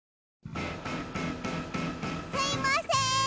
すいません！